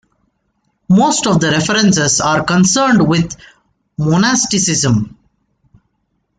Most of the references are concerned with monasticism.